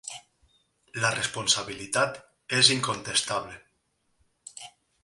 La responsabilitat és incontestable.